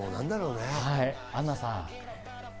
アンナさん。